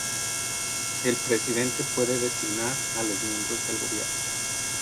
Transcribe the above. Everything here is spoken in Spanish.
El presidente puede designar a los miembros del gobierno.